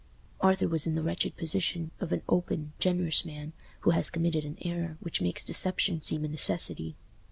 Arthur was in the wretched position of an open, generous man who has committed an error which makes deception seem a necessity.